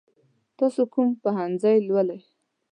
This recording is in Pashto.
تاسو کوم پوهنځی لولئ؟